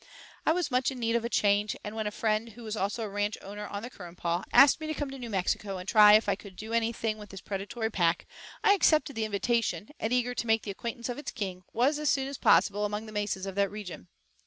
I was much in need of a change, and when a friend, who was also a ranch owner on the Currumpaw, asked me to come to New Mexico and try if I could do anything with this predatory pack, I accepted the invitation and, eager to make the acquaintance of its king, was as soon as possible among the mesas of that region.